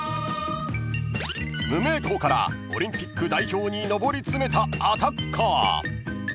［無名校からオリンピック代表に上り詰めたアタッカー］